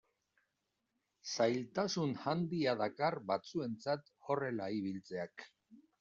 Zailtasun handia dakar batzuentzat horrela ibiltzeak.